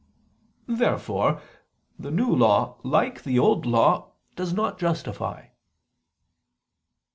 Therefore the New Law, like the Old Law, does not justify.